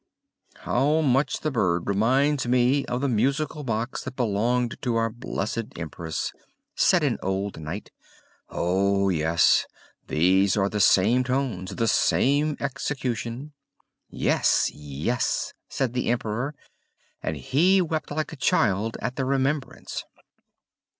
"How much the bird reminds me of the musical box that belonged to our blessed Empress," said an old knight. "Oh yes! These are the same tones, the same execution." "Yes! yes!" said the Emperor, and he wept like a child at the remembrance.